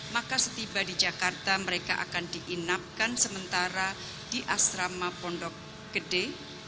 maka setiba di jakarta mereka akan diinapkan sementara di asrama pondok gede